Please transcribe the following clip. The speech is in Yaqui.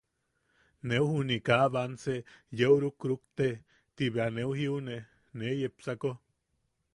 Neu juni kaa banse yeu rukrukte –ti bea neu jiune nee yepsako.